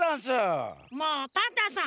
もうパンタンさん